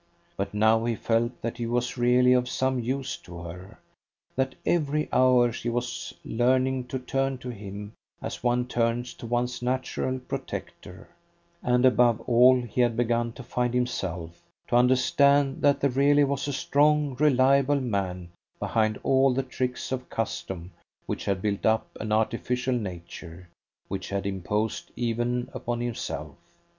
But now he felt that he was really of some use to her, that every hour she was learning to turn to him as one turns to one's natural protector; and above all, he had begun to find himself to understand that there really was a strong, reliable man behind all the tricks of custom which had built up an artificial nature, which had imposed even upon himself.